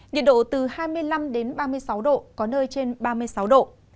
nhiệt độ từ hai mươi năm ba mươi sáu độ có nơi trên ba mươi sáu độ